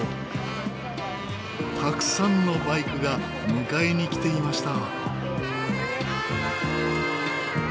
たくさんのバイクが迎えに来ていました。